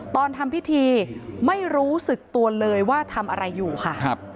ตอนทำพิธีไม่รู้สึกตัวเลยว่าทำอะไรอยู่ค่ะ